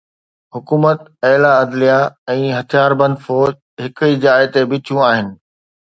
حڪومت، اعليٰ عدليه ۽ هٿياربند فوج هڪ ئي جاءِ تي بيٺيون آهن.